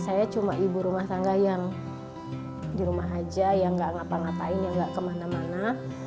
saya cuma ibu rumah tangga yang di rumah saja yang tidak ngapa ngapain yang tidak kemana mana